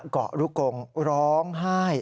เกาะลูกกงร้องไห้